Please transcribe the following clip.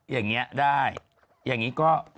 อย่างเงี้ยก็